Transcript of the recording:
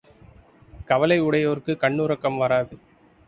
கவலை உடையோர்க்குக் கண்ணுறக்கம் வராது.